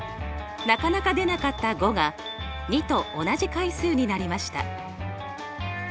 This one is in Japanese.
なかなか出なかった５が２と同じ回数になりました。